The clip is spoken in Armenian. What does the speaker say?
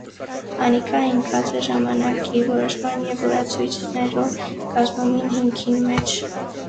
Անիկա ինկած է ժամանակի որոշման եւ օրացոյցներու կազմումին հիմքին մէջ։